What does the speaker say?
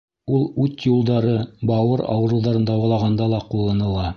Ул үт юлдары, бауыр ауырыуҙарын дауалағанда ла ҡулланыла.